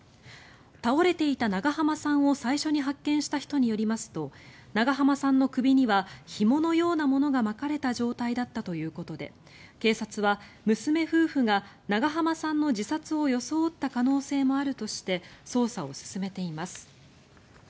倒れていた長濱さんを最初に発見した人によりますと長濱さんの首にはひものようなものが巻かれた状態だったということで警察は娘夫婦が長濱さんの自殺を装った可能性もあるとして捜査を進めています。